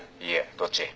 どっち？